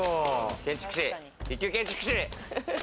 建築士、一級建築士。